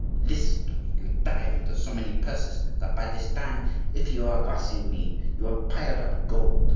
Listen to me! You dive into so many purses that by this time, if you are grasping men, you have piled up gold.